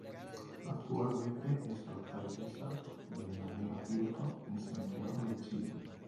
Actualmente es Alcaldesa de María Pinto en Santiago de Chile.